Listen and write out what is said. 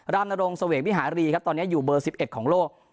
รามนรงสเวกมิหารีย์ก็ตอนนี้อยู่เบอร์๑๑ของโลก